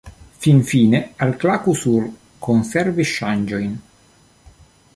Finfine, alklaku sur Konservi ŝanĝojn.